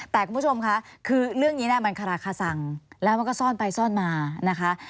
แต่คุณผู้ชมค่ะคือเรื่องนี้มันคาราคาสังแล้วมันก็ซ่อนไปซ่อนมานะคะ